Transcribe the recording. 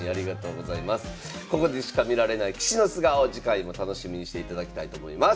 ここでしか見られない棋士の素顔次回も楽しみにしていただきたいと思います。